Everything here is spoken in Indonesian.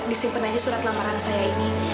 disimpan aja surat lamaran saya ini